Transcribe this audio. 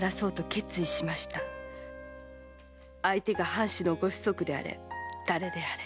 相手が藩主のご子息であれ誰であれ。